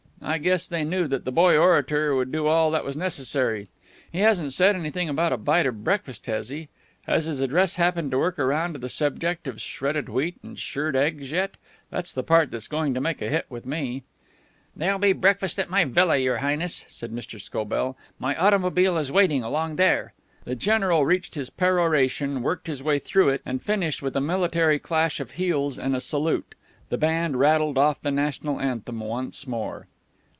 I guess they knew that the Boy Orator would do all that was necessary. He hasn't said anything about a bite of breakfast, has he? Has his address happened to work around to the subject of shredded wheat and shirred eggs yet? That's the part that's going to make a hit with me." "There'll be breakfast at my villa, Your Highness," said Mr. Scobell. "My automobile is waiting along there." The General reached his peroration, worked his way through it, and finished with a military clash of heels and a salute. The band rattled off the national anthem once more.